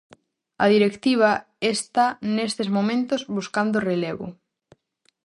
A directiva está nestes momentos buscando relevo.